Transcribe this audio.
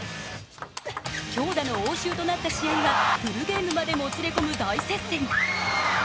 強打の応酬となった試合はフルゲームまでもつれ込む大接戦。